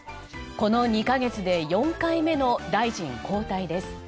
この２か月で４回目の大臣交代です。